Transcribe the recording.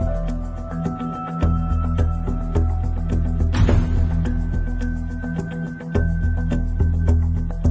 อาหารครั้งเรียนมา